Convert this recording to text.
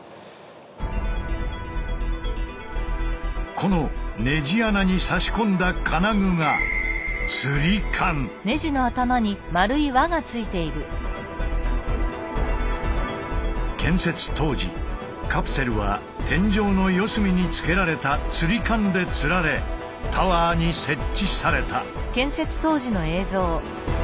このネジ穴に差し込んだ金具が建設当時カプセルは天井の四隅につけられた吊り環で吊られタワーに設置された。